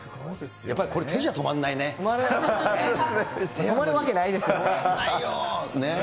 やっぱこれ、手じゃ止止まらないですね。